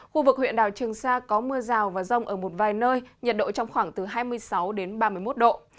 khu vực huyện đảo trường sa có mưa rào và rông ở một vài nơi nhiệt độ trong khoảng từ hai mươi sáu đến ba mươi một độ